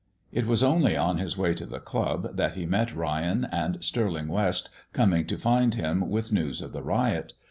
It was only on his way to the club that he met Ryan and Stirling West coming to find him with news of the riot.